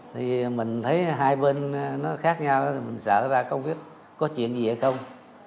thì mình thấy hai bên nó khác nhau mình sợ ra công việc có chuyện gì hay không